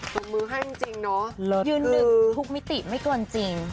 ลงมือให้จริงเนาะยืนหนึ่งทุกมิติไม่เกินจริง